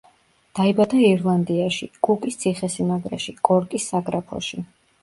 დაიბადა ირლანდიაში, კუკის ციხესიმაგრეში, კორკის საგრაფოში.